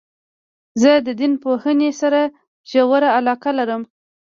زه د دین پوهني سره ژوره علاقه لرم.